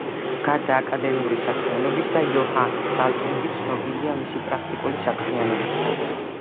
გარდა აკადემიური საქმიანობისა იოჰან გალტუნგი ცნობილია მისი პრაქტიკული საქმიანობითაც.